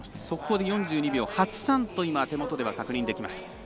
速報で４２秒８３と手元では確認できました。